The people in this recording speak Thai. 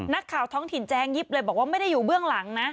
นักข่าวท้องถิ่นแจ้งยิบเลยบอกว่าไม่ได้อยู่เบื้องหลังนะ